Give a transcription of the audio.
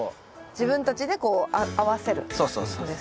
自分たちでこう合わせるんですね。